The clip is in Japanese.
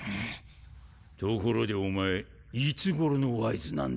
ところでお前いつ頃のワイズなんだ？